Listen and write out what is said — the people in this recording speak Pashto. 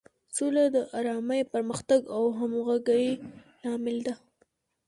سوله د ارامۍ، پرمختګ او همغږۍ لامل ده.